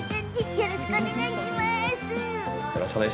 よろしくお願いします。